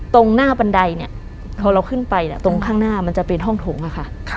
ตรงหน้าบันไดเนี่ยพอเราขึ้นไปเนี่ยตรงข้างหน้ามันจะเป็นห้องโถงอะค่ะ